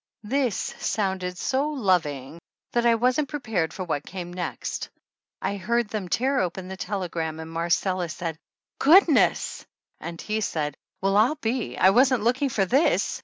This sounded so loving that I wasn't prepared for what came next. I heard them tear open the telegram and Marcella said, "Good ness;" and he said, "Well, I'll be I wasn't looking for this